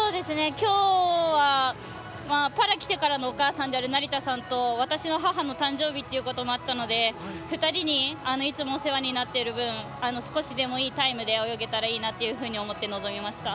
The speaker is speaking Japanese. きょうはパラきてからのお母さんである成田さんと、私の母の誕生日ということもあったので２人に、いつもお世話になっている分少しでもいいタイムで泳げたらいいなと思って臨みました。